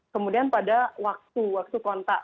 kemudian pada waktu waktu kontak